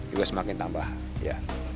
juga semakin tambah ya